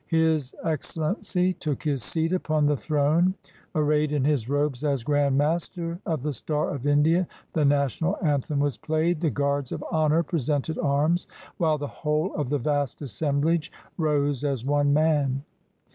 His Excellency took his seat upon the throne, arrayed in his robes as Grand Master of the Star of India, the National Anthem was played, the guards of honor presented arms, while the whole of the vast assemblage rose as one man.